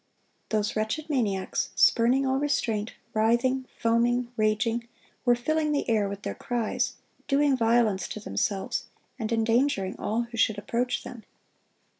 Those wretched maniacs, spurning all restraint, writhing, foaming, raging, were filling the air with their cries, doing violence to themselves, and endangering all who should approach them.